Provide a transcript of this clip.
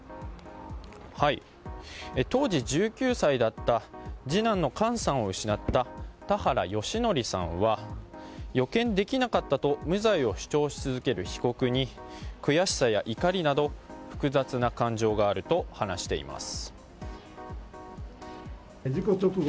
当時、１９歳だった次男の寛さんを失った田原義則さんは予見できなかったと無罪を主張し続ける被告に悔しさや怒りなど複雑な感情があると話しています。